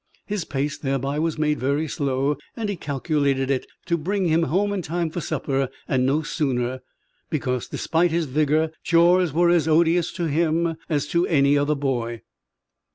His pace thereby was made very slow and he calculated it to bring him to his home in time for supper and no sooner, because, despite his vigour, chores were as odious to him as to any other boy.